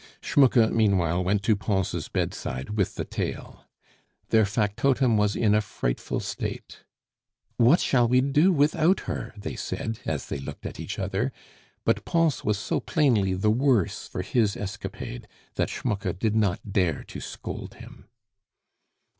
Schmucke meanwhile went to Pons' bedside with the tale. Their factotum was in a frightful state. "What shall we do without her?" they said, as they looked at each other; but Pons was so plainly the worse for his escapade, that Schmucke did not dare to scold him.